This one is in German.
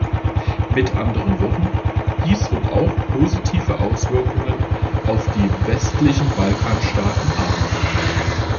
Mit anderen Worten, dies wird auch positive Auswirkungen auf die westlichen Balkanstaaten haben.